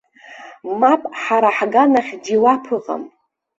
Мап, ҳара ҳганахь џьиуаԥ ыҟам.